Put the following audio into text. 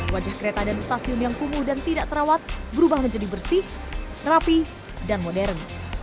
wajah kereta dan stasiun yang kumuh dan tidak terawat berubah menjadi bersih rapi dan modern